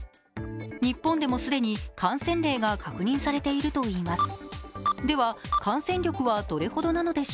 日本でも既に感染例が確認されているといいます。